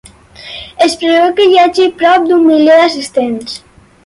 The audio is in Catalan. Es preveu que hi hagi prop d’un milió d’assistents.